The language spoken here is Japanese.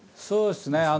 そうですね